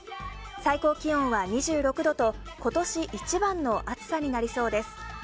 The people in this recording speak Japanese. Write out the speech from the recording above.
最高気温は２６度と今年一番の暑さになりそうです。